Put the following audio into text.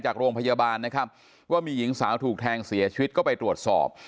จากโรงพยาบาลนะครับว่ามีหญิงสาวถูกแทงเสียชีวิตก็ไปตรวจสอบ